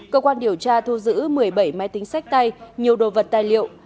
cơ quan điều tra thu giữ một mươi bảy máy tính sách tay nhiều đồ vật tài liệu